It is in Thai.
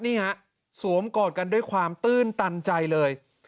นี่ฮะสวมกอดกันด้วยความตื้นตันใจเลย